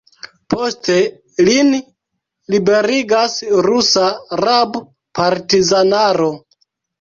Poste lin liberigas rusa rab-partizanaro.